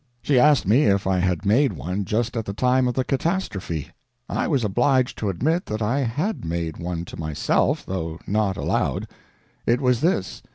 She asked me if I had made one just at the time of the catastrophe. I was obliged to admit that I had made one to myself, though not aloud. It was this.